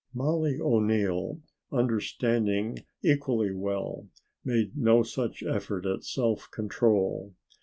Mollie O'Neill, understanding equally well, made no such effort at self control.